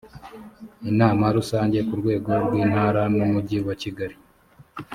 inama rusange ku rwego rw intara n umujyi wa kigali